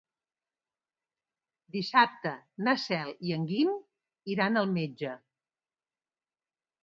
Dissabte na Cel i en Guim iran al metge.